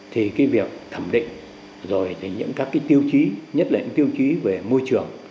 thì cái việc thẩm định rồi thì những các tiêu chí nhất lệnh tiêu chí về môi trường